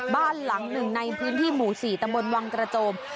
บ้านหลังหนึ่งในพื้นที่หมู่สี่ตะมนต์วังตระโจม